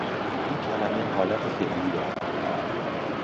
این کلمه حالت فعلی دارد